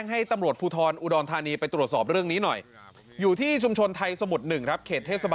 เครดขึ้นเมื่อวานนี้ครับ